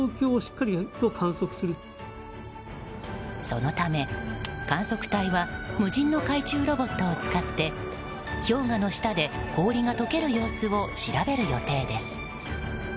そのため観測隊は無人の海中ロボットを使って氷河の下で氷が解ける様子を調べる予定です。